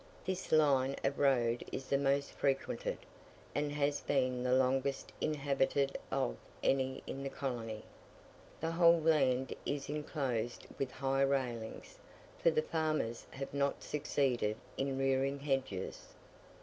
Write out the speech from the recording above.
This line of road is the most frequented, and has been the longest inhabited of any in the colony. The whole land is enclosed with high railings, for the farmers have not succeeded in rearing hedges.